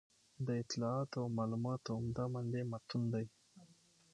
د اطلاعاتو او معلوماتو عمده منبع متون دي.